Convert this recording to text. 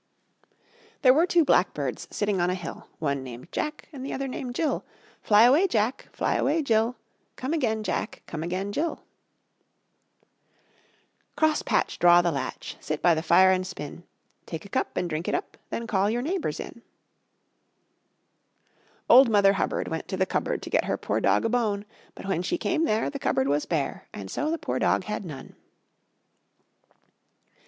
There were two blackbirds sitting on a hill, One named Jack and the other named Jill. Fly away, Jack! Fly away, Jill! Come again, Jack! Come again, Jill! Cross patch, draw the latch, Sit by the fire and spin; Take a cup and drink it up, Then call your neighbors in. Old Mother Hubbard Went to the cupboard To get her poor dog a bone; But when she came there The cupboard was bare, And so the poor dog had none.